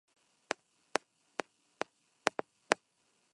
Se utiliza como amuleto contra el mal.